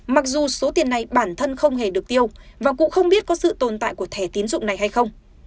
mặc dù số tiền này bản thân không hề được tiêu và cũng không biết có sự tồn tại của thẻ tiến dụng này hay không